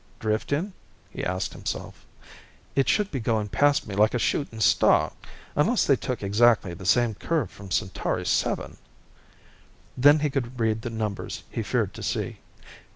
Drifting? he asked himself. _It should be going past me like a shooting star! Unless they took exactly the same curve from Centauri VII _ Then he could read the numbers he feared to see.